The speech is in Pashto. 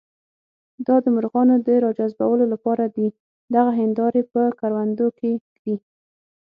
دا د مرغانو د راجذبولو لپاره دي، دغه هندارې په کروندو کې ږدي.